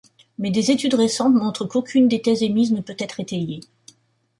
Mais des études récentes montrent qu'aucune des thèses émises ne peut être étayée.